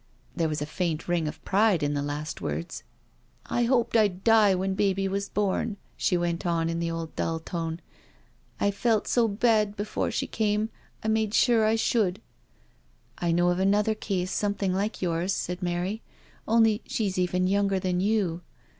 There was a faint ring of pride in the last words. " I hoped I'd die when baby was born," she went on in the old dull tone, " I felt so bad before she came I made sure I should." " I know of another case something like yours," said Mary, " only she's even younger than you."